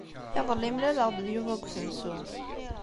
Iḍelli, mlaleɣ-d d Yuba deg usensu.